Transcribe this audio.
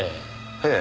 ええ。